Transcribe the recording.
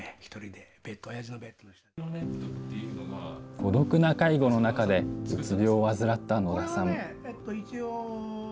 孤独な介護の中で、うつ病を患った野田さん。